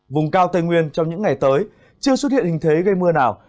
vùng cao tây nguyên trong những ngày tới chưa xuất hiện hình thế gây mưa nào